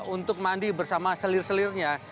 untuk mandi bersama selir selirnya